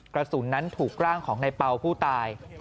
กระสุนนั้นถูกร่างของในเป่าผู้ตาย